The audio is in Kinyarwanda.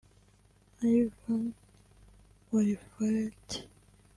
Ivan Wulffaert